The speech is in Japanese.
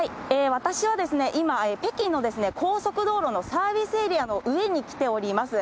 私は今、北京の高速道路のサービスエリアの上に来ております。